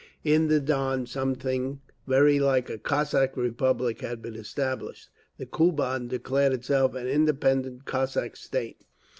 In the Don something very like a Cossack Republic had been established. The Kuban declared itself an independent Cossack State.